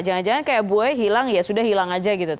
jangan jangan kayak buoy hilang ya sudah hilang aja gitu